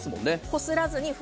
こすらずに。